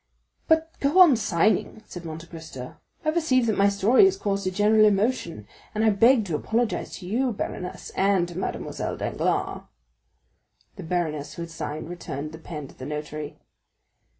"But go on signing," said Monte Cristo; "I perceive that my story has caused a general emotion, and I beg to apologize to you, baroness, and to Mademoiselle Danglars." The baroness, who had signed, returned the pen to the notary.